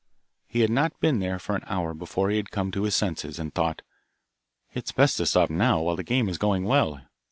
He had not been there for an hour before he had come to his senses, and thought, 'It's best to stop now, while the game is going well.